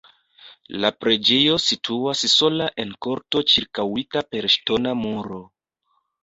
La preĝejo situas sola en korto ĉirkaŭita per ŝtona muro.